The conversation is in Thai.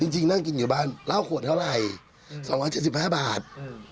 จริงนั่งกินอยู่บ้านเหล้าขวดเท่าไหร่๒๗๕บาท